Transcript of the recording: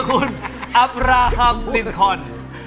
คุณาประฮัมติซคอน